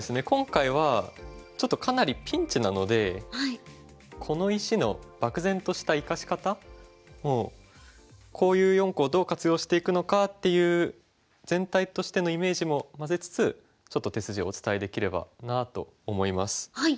今回はちょっとかなりピンチなのでこの石の漠然とした生かし方こういう４個をどう活用していくのかっていう全体としてのイメージも混ぜつつちょっと手筋をお伝えできればなと思います。